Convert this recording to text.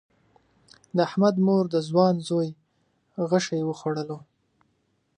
د احمد مور د ځوان زوی غشی وخوړلو.